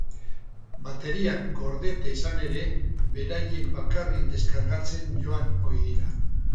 Bateriak, gordeta izanda ere, beraiek bakarrik deskargatzen joan ohi dira.